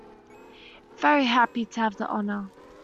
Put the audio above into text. Very happy to have the honour!